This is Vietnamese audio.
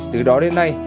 từ đó đến nay